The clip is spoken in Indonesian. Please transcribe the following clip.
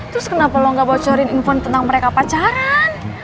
terus kenapa lo gak bocorin info tentang mereka pacaran